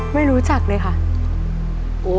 ไม่รู้จักเลยค่ะ